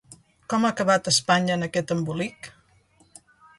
’Com ha acabat Espanya en aquest embolic?